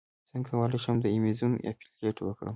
څنګه کولی شم د ایمیزون افیلیټ وکړم